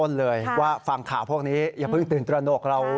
บอกตั้งแต่ต้นเลยว่าฟังข่าวพวกนี้อย่าเพิ่งตื่นตระหนกเรา